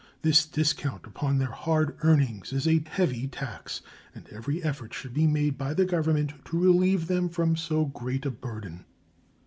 This discount upon their hard earnings is a heavy tax, and every effort should be made by the Government to relieve them from so great a burden.